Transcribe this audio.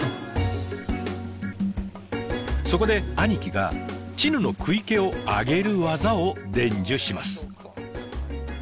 そこで兄貴がチヌの食い気を上げる技を伝授します。